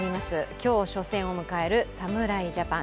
今日、初戦を迎える侍ジャパン。